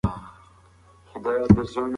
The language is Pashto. شخصیت د تجربو او ټاکنو په رڼا کي پیژندل کیږي.